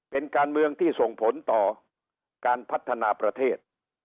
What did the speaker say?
เป็นการเมืองที่ส่งผลต่อการพัฒนาประเทศ